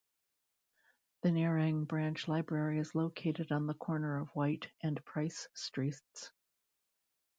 The Nerang Branch Library is located on the corner of White and Price Streets.